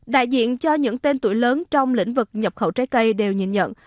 đại diện cho những tên tuổi lớn trong lĩnh vực nhập khẩu trái cây đều nhìn nhận